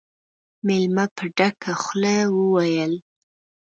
مېلمه په ډکه خوله وويل: